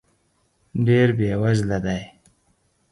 ډېر بې وزله دی .